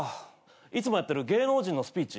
いつもやってる芸能人のスピーチ